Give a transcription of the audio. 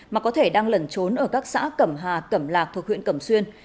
mà có thể đang lẩn trốn ở các xã cẩm hà cẩm lạc thuộc huyện cẩm xuyên